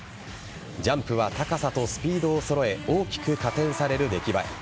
ジャンプは高さとスピードを揃え大きく加点される出来栄え。